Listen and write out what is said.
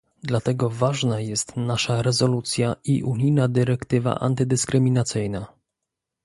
Dlatego ważna jest nasza rezolucja i unijna dyrektywa antydyskryminacyjna